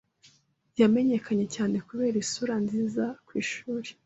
Yamenyekanye cyane kubera isura nziza ku ishuri.